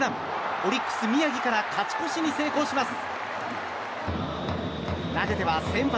オリックス宮城から勝ち越しに成功します。